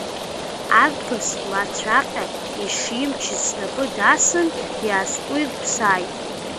Арԥыс маҵәаҟьа ишимчыз снапы дасын, иаасҟәирԥсааит…